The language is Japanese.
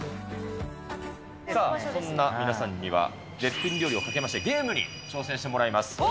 さあ、そんな皆さんには、絶品料理をかけましてゲームに挑戦してもらいます。